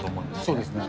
そうですね。